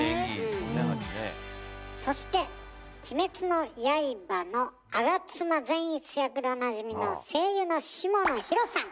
そして「鬼滅の刃」の我妻善逸役でおなじみの声優の下野紘さん。